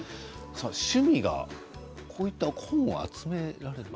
趣味がこういった本を集めること。